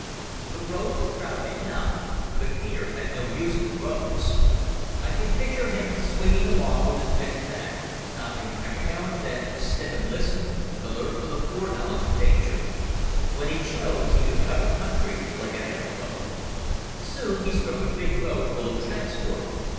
The roads were crowded enough, but Peter had no use for roads. I can picture him swinging along with his bent back, stopping every now and then to sniff and listen, alert for the foreknowledge of danger. When he chose he could cover country like an antelope. Soon he struck a big road full of transport.